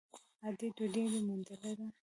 _ادې ! ډوډۍ دې موندلې ده؟